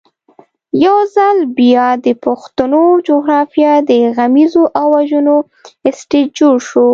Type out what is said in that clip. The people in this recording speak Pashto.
یو ځل بیا د پښتنو جغرافیه د غمیزو او وژنو سټېج جوړ شو.